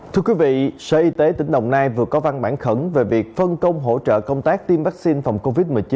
thưa quý vị sở y tế tỉnh đồng nai vừa có văn bản khẩn về việc phân công hỗ trợ công tác tiêm vaccine phòng covid một mươi chín